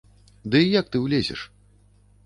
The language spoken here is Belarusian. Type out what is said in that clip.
Ды і як ты ўлезеш?